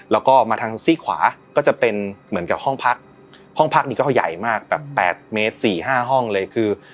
แล้วก็มาทางซี่ขวาก็จะเป็นเหมือนกับห้องพักห้องพักนี้ก็ใหญ่มากแบบ๘เมตร๔๕ห้องเลยคือ